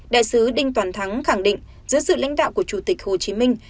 đại sứ đinh toàn thắng khẳng định giữa sự lãnh đạo của chủ tịch hồ chí minh